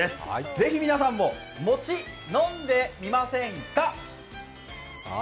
ぜひ皆さんももち、飲んでみませんか？